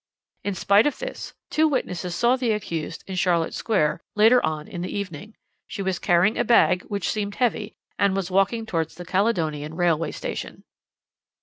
"In spite of this, two witnesses saw the accused in Charlotte Square later on in the evening. She was carrying a bag which seemed heavy, and was walking towards the Caledonian Railway Station.